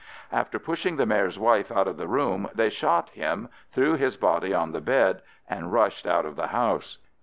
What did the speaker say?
After pushing the Mayor's wife out of the room they shot him, threw his body on the bed, and rushed out of the house.